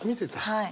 はい。